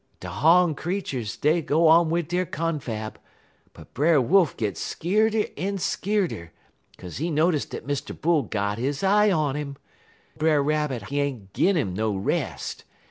_' "De hawn creeturs, dey go on wid der confab, but Brer Wolf git skeerder en skeerder, 'kaze he notice dat Mr. Bull got his eye on 'im. Brer Rabbit, he ain't gin 'im no rest.